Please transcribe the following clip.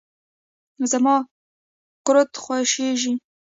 زما قورت خوشیزی.